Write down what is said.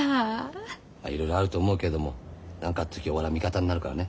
まあいろいろあると思うけども何かあった時は俺は味方になるからね。